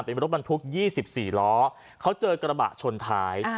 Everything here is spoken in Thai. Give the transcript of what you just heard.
เป็นรถบรรทุก๒๔ล้อเขาเจอกระบะชนท้าย